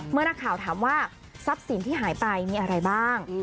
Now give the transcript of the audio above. เมื่อนักข่าวถามว่าทรัพย์สินที่หายไปมีอะไรบ้าง